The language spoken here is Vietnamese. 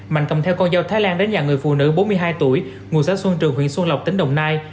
mạnh cầm theo con dao thái lan đến nhà người phụ nữ bốn mươi hai tuổi ngụ xã xuân trường huyện xuân lộc tỉnh đồng nai